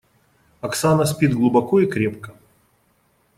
Оксана спит глубоко и крепко.